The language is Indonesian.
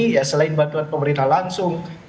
ya selain bantuan pemerintah langsung